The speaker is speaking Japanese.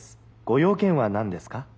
ご用件は何ですか？」。